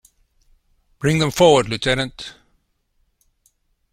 Bring them forward, lieutenant.